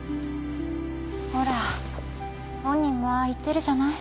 ほら本人もああ言ってるじゃない。